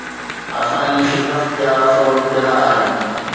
اسان جي شڪست جا سبب ڪهڙا آهن؟